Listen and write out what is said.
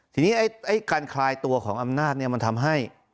ทีนี้การคลายตัวของอำนาจมันทำให้